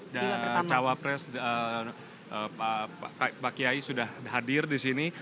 dan cawa pres pak kiai sudah hadir di sini